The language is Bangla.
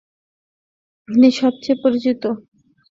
তিনি সবচেয়ে পরিচিত।